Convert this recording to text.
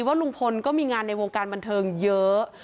ว่าลุงพลก็มีงานในวงการบันเทิงเยอะ